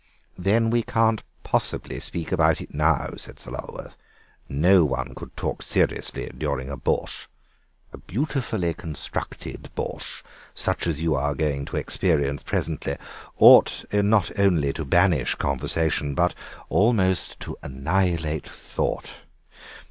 "Then we can't possibly speak about it now," said Sir Lulworth; "no one could talk seriously during a borshch. A beautifully constructed borshch, such as you are going to experience presently, ought not only to banish conversation but almost to annihilate thought.